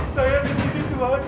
saya disini tuan